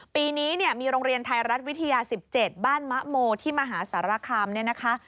ปีนี้มีโรงเรียนไทยรัฐวิทยา๑๗บ้านมะโมที่มหาสารคำ